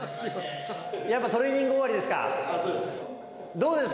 やっぱ、トレーニング終わりそうです。